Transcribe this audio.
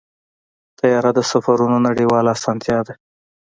طیاره د سفرونو نړیواله اسانتیا ده.